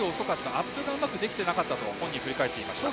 アップがうまくできなかったと本人は振り返りましたが。